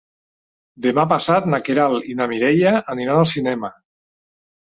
Demà passat na Queralt i na Mireia aniran al cinema.